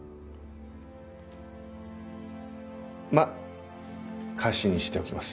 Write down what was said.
まあ貸しにしておきます。